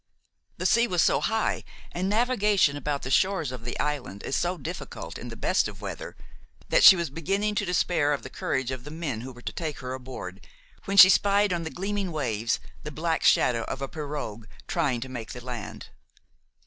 The sea was so high, and navigation about the shores of the island is so difficult in the best of weather, that she was beginning to despair of the courage of the men who were to take her aboard, when she spied on the gleaming waves the black shadow of a pirogue, trying to make the land.